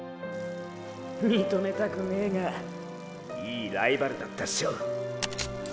認めたくねェがいいライバルだったっショ！